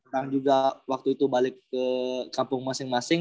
dan juga waktu itu balik ke kampung masing masing